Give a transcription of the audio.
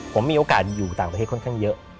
ผมมีโอกาสอยู่ต่างประเทศค่อนข้างเยอะ